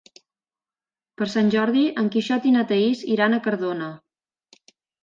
Per Sant Jordi en Quixot i na Thaís iran a Cardona.